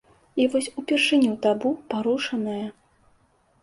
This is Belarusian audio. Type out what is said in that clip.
І вось упершыню табу парушанае.